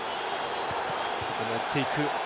ここも追っていく。